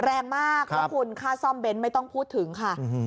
แรงมากแล้วคุณค่าซ่อมเน้นไม่ต้องพูดถึงค่ะ